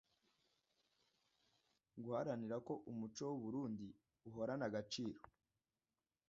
guharanira ko umuco w’u Burunndi uhorana agaciro